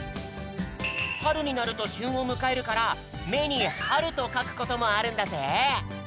はるになるとしゅんをむかえるからめにはるとかくこともあるんだぜ。